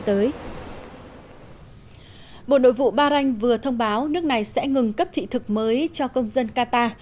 bộ nội vụ bahrain vừa thông báo nước này sẽ ngừng cấp thị thực mới cho công dân qatar